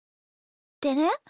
でね